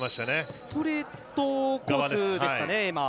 ストレートコースですかね、今。